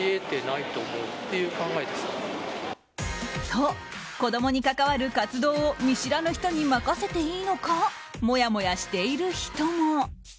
と、子供に関わる活動を見知らぬ人に任せていいのかもやもやしている人も。